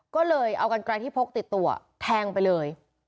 ก็เลยเอากันไกลที่พกติดตัวแทงไปเลย